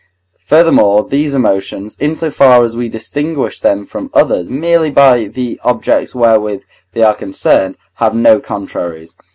Furthermore, these emotions, in so far as we distinguish them from others merely by the objects wherewith they are concerned, have no contraries.